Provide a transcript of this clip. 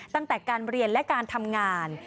ตั้งแต่การเรียนและการทำงาน